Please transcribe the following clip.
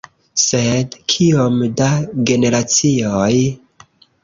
Sed kiom da generacioj?